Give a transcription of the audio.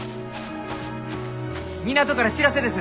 港から知らせです！